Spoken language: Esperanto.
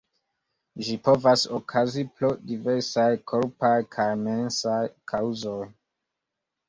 Ĝi povas okazi pro diversaj korpaj kaj mensaj kaŭzoj.